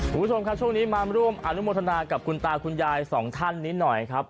คุณผู้ชมครับช่วงนี้มาร่วมอนุโมทนากับคุณตาคุณยายสองท่านนี้หน่อยครับ